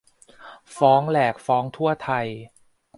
ฟ้องแหลกฟ้องทั่วไทย